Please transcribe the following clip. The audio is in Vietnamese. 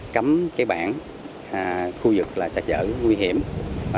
cắm cái bảng khu vực là sạt lở nguy hiểm